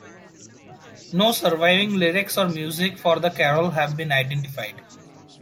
No surviving lyrics or music for the carol have been identified.